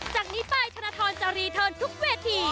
จากนี้ไปธนทรจะรีเทิร์นทุกเวที